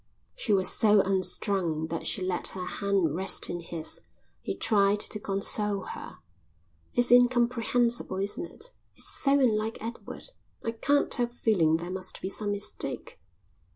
She was so unstrung that she let her hand rest in his. He tried to console her. "It's incomprehensible, isn't it? It's so unlike Edward. I can't help feeling there must be some mistake."